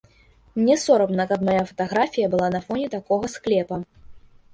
Мне сорамна, каб мая фатаграфія была на фоне такога склепа.